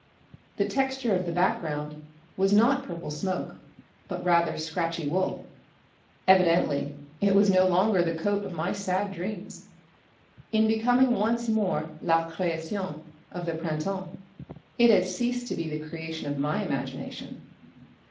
The texture of the back ground was not purple smoke, but rather scratchy wool. Evidently it was no longer the coat of my sad dreams. In becoming once more "la création" of the Printemps it had ceased to be the creation of my imagination.